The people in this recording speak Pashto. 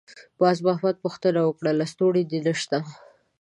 باز محمد پوښتنه وکړه: «لستوڼی دې نشته؟»